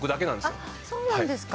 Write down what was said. そうなんですか。